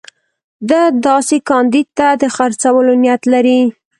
ده داسې کاندید ته د خرڅولو نیت لري.